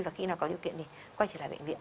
và khi nào có điều kiện thì quay trở lại bệnh viện